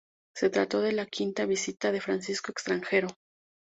Se trató de la quinta visita de Francisco extranjero.